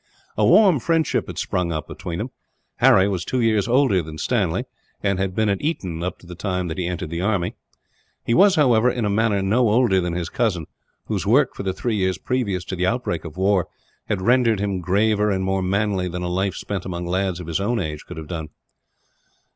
A warm friendship had sprung up between them. Harry was two years older than Stanley, and had been at Eton up to the time that he entered the army. He was, however, in manner no older than his cousin; whose work, for the three years previous to the outbreak of the war, had rendered him graver and more manly than a life spent among lads of his own age could have done.